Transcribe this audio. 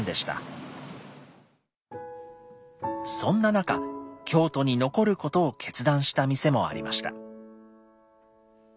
そんな中京都に残ることを決断した店もありました。